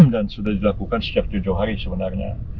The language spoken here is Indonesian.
dan sudah dilakukan sejak tujuh hari sebenarnya